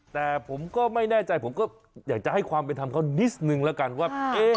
แต่ผมก็ไม่แน่ใจผมอยากจะให้ความไปทำเขานิสนึงละกันว่า